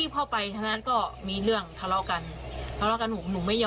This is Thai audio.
สำหรับเรื่องนี้